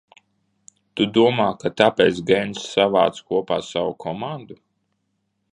Tu domā, ka tāpēc Gencs savāca kopā savu komandu?